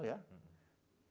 saya tidak tahu